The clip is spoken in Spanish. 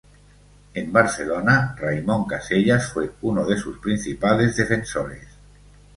En Barcelona, Raimon Casellas fue uno de sus principales defensores.